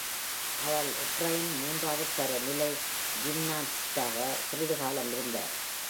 அவள் உக்ரைனின் மூன்றாவது தர நிலை ஜிம்னாஸ்டாக சிறிது காலம் இருந்தார்.